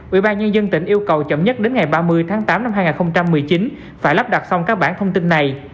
ubnd tỉnh yêu cầu chậm nhất đến ngày ba mươi tháng tám năm hai nghìn một mươi chín phải lắp đặt xong các bản thông tin này